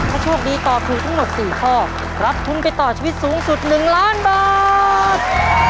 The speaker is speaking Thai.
ถ้าโชคดีตอบถูกทั้งหมด๔ข้อรับทุนไปต่อชีวิตสูงสุด๑ล้านบาท